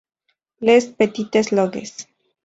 Les Petites-Loges